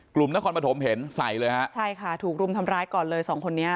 นครปฐมเห็นใส่เลยฮะใช่ค่ะถูกรุมทำร้ายก่อนเลยสองคนนี้